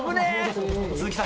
鈴木さん